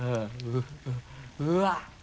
うわっ！